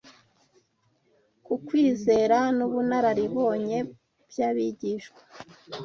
ku kwizera n’ubunararibonye by’abigishwa